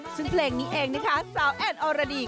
ซึ่งเพลงนี้เองนะคะสาวแอนอรดี